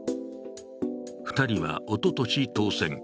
２人はおととし当選。